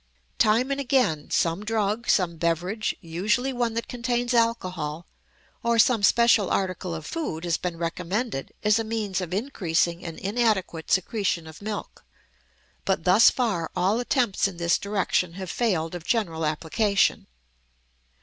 Time and again some drug, some beverage, usually one that contains alcohol, or some special article of food has been recommended as a means of increasing an inadequate secretion of milk, but thus far all attempts in this direction have failed of general application.